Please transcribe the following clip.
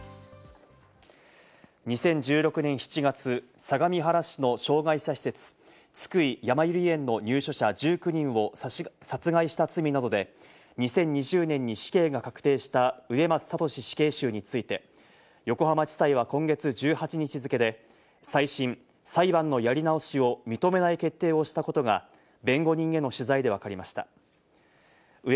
２０１６年７月、相模原市の障害者施設津久井やまゆり園の入所者１９人を殺害した罪などで、２０２０年に死刑が確定した植松聖死刑囚について、横浜地裁は今月１８日付で再審＝裁判のやり直しを認めない決定をしたことが弁護人への取材で分かりました。